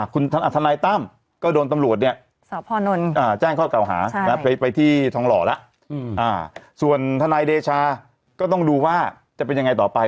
คุณทนายตั้มก็โดนตำรวจเนี่ยสพนแจ้งข้อเก่าหาไปที่ทองหล่อแล้วส่วนทนายเดชาก็ต้องดูว่าจะเป็นยังไงต่อไป